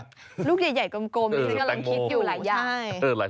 ลูกใหญ่กลมมีใครที่กำลังที่คิดอยู่หลายอย่าง